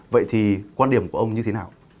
vậy thì quan điểm của ông như thế nào